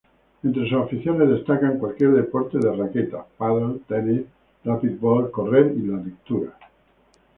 Entre sus aficiones destacan cualquier deporte de raqueta, pádel, tenis, rappid-ball, correr, y la lectura.